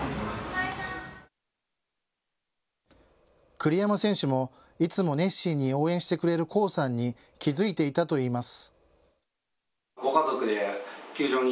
栗山選手もいつも熱心に応援してくれる巧さんに気付いていたといいます。